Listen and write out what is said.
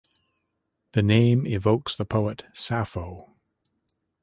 The name evokes the poet Sappho.